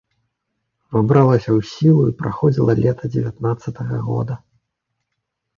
Увабралася ў сілу і праходзіла лета дзевятнаццатага года.